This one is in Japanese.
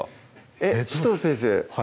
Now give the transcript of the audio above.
えっ紫藤先生